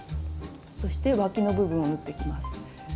そしてわきの部分を縫っていきます。